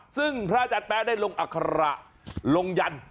ซึ่งพระอาจารย์แป๊ะได้ลงอัคระลงยัน